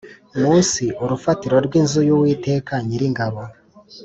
munsi urufatiro rw inzu y Uwiteka Nyiringabo